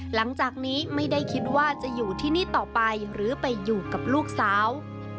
หลังจากนี้ไม่ได้คิดว่าจะอยู่ที่นี่ต่อไปหรือไปอยู่กับลูกสาว